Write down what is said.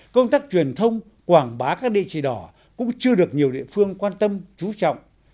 công tác truyền thông quảng bá các địa chỉ đỏ cũng chưa được nhiều địa phương quan tâm chú trọng